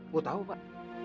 gue tahu pak